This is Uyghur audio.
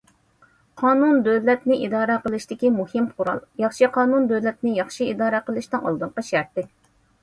قانۇن دۆلەتنى ئىدارە قىلىشتىكى مۇھىم قورال، ياخشى قانۇن دۆلەتنى ياخشى ئىدارە قىلىشنىڭ ئالدىنقى شەرتى.